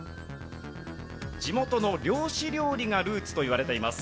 地元の漁師料理がルーツといわれています。